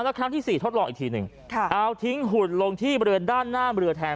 แล้วครั้งที่สี่ทดลองอีกทีหนึ่งเอาทิ้งหุ่นลงที่บริเวณด้านหน้าเรือแทน